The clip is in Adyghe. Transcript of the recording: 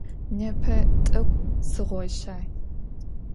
Непэ тӏэкӏу сыгъойщай.